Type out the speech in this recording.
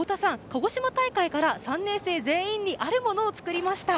鹿児島大会から３年生全員にあるものを作りました。